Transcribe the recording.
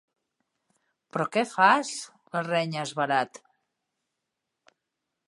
Però què fas? —la renya, esverat.